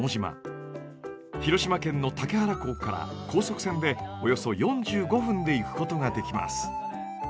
広島県の竹原港から高速船でおよそ４５分で行くことができます。